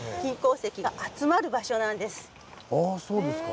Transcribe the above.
あっそうですか。